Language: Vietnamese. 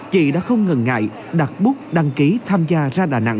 chị đã không ngừng ngại đặt bút đăng ký tham gia ra đà nẵng